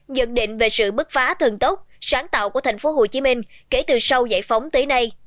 nhận định về sự bức phá thường tốc sáng tạo của thành phố hồ chí minh kể từ sau giải phóng tới nay